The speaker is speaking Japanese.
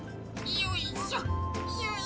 よいしょ！